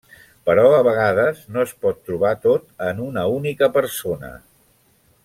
Però a vegades no es pot trobar tot en una única persona.